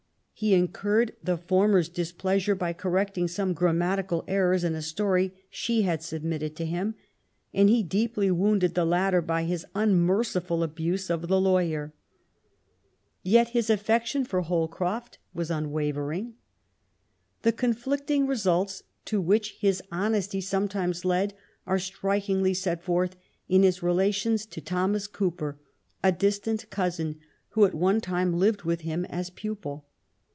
He incurred the former's displeasure by correcting some grammatical errors in a story she had submitted to him, and he deeply wounded the latter by his unmerciful abuse of the Lawyer, Yet his afiection for Holcroft was un 12 178 MABY W0LL8T0NECRAFT GODWIN. wavering. The conflicting results to which his honesty sometimes led are strikingly set forth in his relations to Thomas Cooper^ a distant cousin^ who at one time lived with ]iim as pupil.